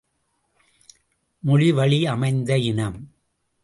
மொழிவழி அமைந்த இனம்!